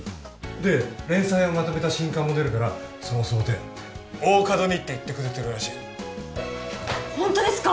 で連載をまとめた新刊も出るからその装丁大加戸にって言ってくれてるらしいホントですか！？